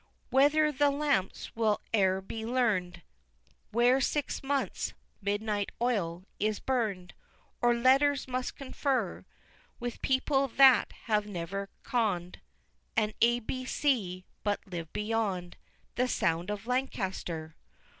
XXX. Whether the lamps will e'er be "learn'd" Where six months' "midnight oil" is burn'd Or Letters must confer With people that have never conn'd An A, B, C, but live beyond The Sound of Lancaster!